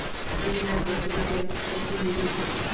Ili havas ruĝan okulringon.